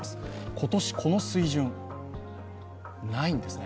今年、この水準、ないんですね。